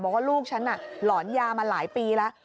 บอกว่าลูกฉันหลอนยามาหลายปีแล้ว